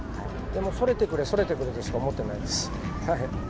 それてくれ、それてくれとしか思ってないです。